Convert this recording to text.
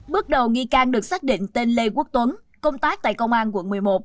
bước đầu nghi can được xác định tên lê quốc tuấn công tác tại công an quận một mươi một